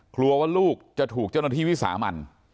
กลัวว่าลูกจะถูกเจ้าหน้าที่วิสามัน